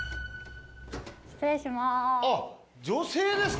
失礼します。